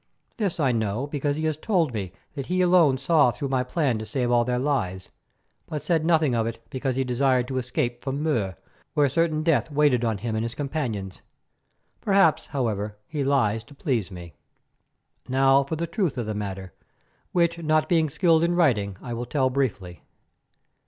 This I know because he has told me that he alone saw through my plan to save all their lives, but said nothing of it because he desired to escape from Mur, where certain death waited on him and his companions. Perhaps, however, he lies to please me. Now, for the truth of the matter, which not being skilled in writing I will tell briefly.